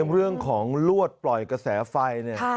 เรื่องของลวดปล่อยกระแสไฟเนี่ย